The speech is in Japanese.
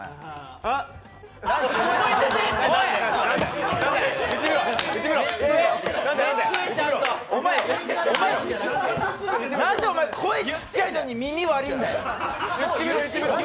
あん？何でお前、声ちっちゃいのに耳悪いんだよ。